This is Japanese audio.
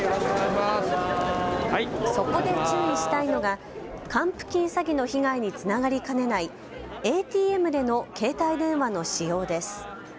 そこで注意したいのが還付金詐欺の被害につながりかねないＡＴＭでの携帯電話の使用です。